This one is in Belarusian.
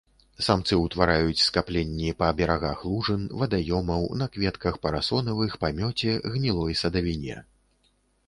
Самцы ўтвараюць скапленні па берагах лужын, вадаёмаў, на кветках парасонавых, памёце, гнілой садавіне.